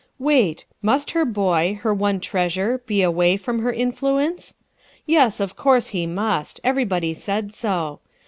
Wait, must her boy, her one treasure, be away from her influence? Yes, of course he must; everybody said so.